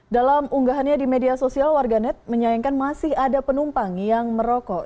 dalam unggahannya di media sosial warganet menyayangkan masih ada penumpang yang merokok